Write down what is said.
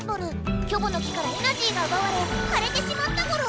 「キョボの木」からエナジーがうばわれかれてしまったゴロ。